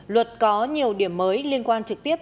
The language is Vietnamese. luật có nhiều điểm mới liên quan trực tiếp